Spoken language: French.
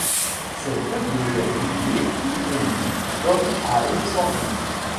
Ses feux devaient briller toutes les nuits comme à Alexandrie.